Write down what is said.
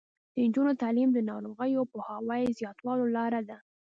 د نجونو تعلیم د ناروغیو پوهاوي زیاتولو لاره ده.